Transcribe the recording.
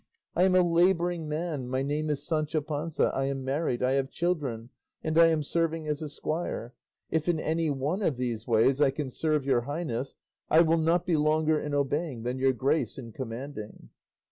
I am a labouring man, my name is Sancho Panza, I am married, I have children, and I am serving as a squire; if in any one of these ways I can serve your highness, I will not be longer in obeying than your grace in commanding."